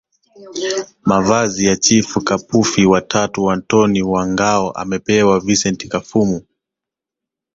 Mavazi ya Chifu Kapufi wa tatu Antony wa Ngao amepewa Vicent Kafumu